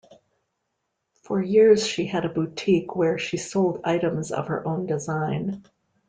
For years she had a boutique where she sold items of her own design.